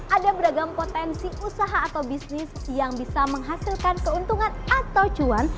ada beragam potensi usaha atau bisnis yang bisa menghasilkan keuntungan atau cuan